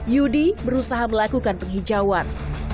yudi berusaha melakukan penghijauan